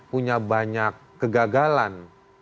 punya banyak kegagalan